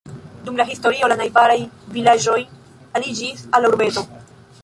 Dum la historio la najbaraj vilaĝoj aliĝis al la urbeto.